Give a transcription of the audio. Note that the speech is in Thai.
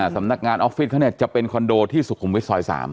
สำนักงานออฟฟิศเขาจะเป็นคอนโดที่สุขุมวิทยซอย๓